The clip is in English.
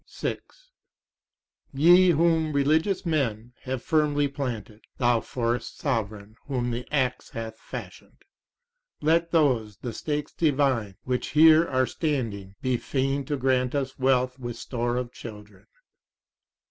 6, Ye whom religious men have firmly planted; thou Forest Sovran whom the axe hath fashioned,— Let those the Stakes divine which here are standing be fain to grant us wealth with store of children.